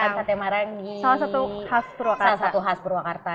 mau makan kate marang di salah satu khas purwakarta